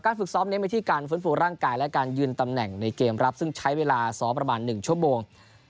ฝึกซ้อมเน้นวิธีการฟื้นฟูร่างกายและการยืนตำแหน่งในเกมรับซึ่งใช้เวลาซ้อมประมาณ๑ชั่วโมง